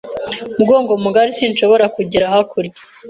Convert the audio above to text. Mugongo mugari sinshobora kugera hakurya